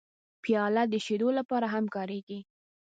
پیاله د شیدو لپاره هم کارېږي.